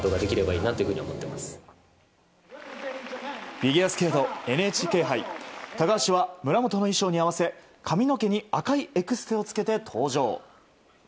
フィギュアスケートＮＨＫ杯高橋は村元の衣装に合わせて髪の毛に赤いエクステを着けて登場。